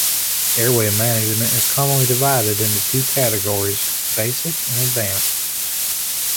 Airway management is commonly divided into two categories: basic and advanced.